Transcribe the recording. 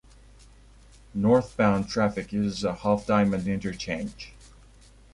Northbound traffic uses a half-diamond interchange.